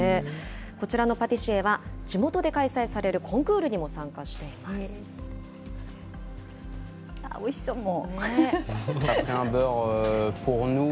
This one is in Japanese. こちらのパティシエは、地元で開催されるコンクールにも参加しておいしそう、もう。